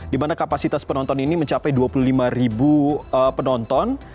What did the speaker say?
dimana kapasitas penonton ini mencapai dua puluh lima penonton